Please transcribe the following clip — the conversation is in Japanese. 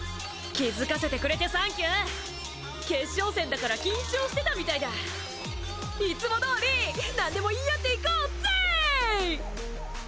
気付かせてくれてサンキュー決勝戦だから緊張してたみたいだいつもどおりなんでも言い合っていこうぜぇい！